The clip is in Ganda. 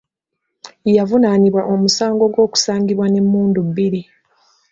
Yavunaanibwa omusango gw’okusangibwa n’emmundu bbiri.